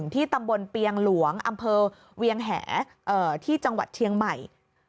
ที่ตำบลเปียงหลวงอำเภอเวียงแหที่จังหวัดเชียงใหม่